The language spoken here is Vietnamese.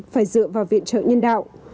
phải dựa vào viện trợ nhân đạo